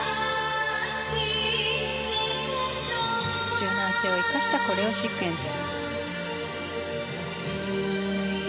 柔軟性を生かしたコレオシークエンス。